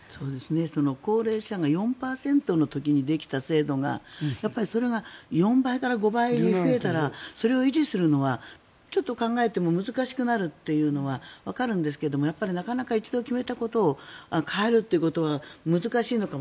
高齢者が４％の時にできた制度がそれが４倍から５倍に増えたらそれを維持するのはちょっと考えても難しくなるのはわかるんですがなかなか、一度決めたことを変えるっていうことは難しいのかも。